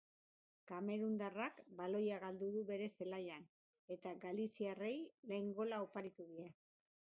Kamerundarrak baloia galdu du bere zelaian, eta galiziarrei lehen gola oparitu die.